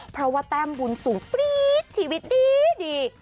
เพราะว่าแต้มบุญสูงปรี๊ดชีวิตดี